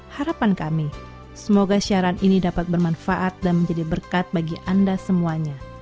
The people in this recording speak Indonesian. harapan kami semoga siaran ini dapat bermanfaat dan menjadi berkat bagi anda semuanya